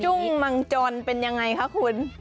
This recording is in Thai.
ุ้งมังจรเป็นยังไงคะคุณ